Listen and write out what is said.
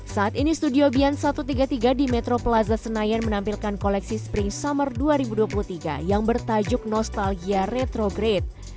saat ini studio bian satu ratus tiga puluh tiga di metro plaza senayan menampilkan koleksi spring summer dua ribu dua puluh tiga yang bertajuk nostalgia retro grade